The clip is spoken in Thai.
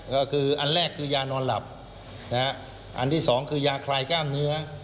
ก็คืออันแรกคือยานอนหลับนะฮะอันที่สองคือยาคลายกล้ามเนื้อ